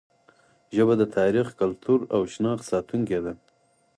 ژبه د تاریخ، کلتور او شناخت ساتونکې ده.